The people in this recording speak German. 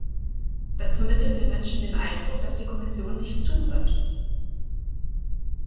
Das vermittelt den Menschen den Eindruck, dass die Kommission nicht zuhört.